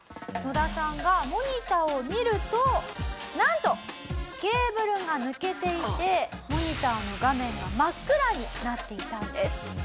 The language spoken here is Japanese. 野田さんがモニターを見るとなんとケーブルが抜けていてモニターの画面が真っ暗になっていたんです。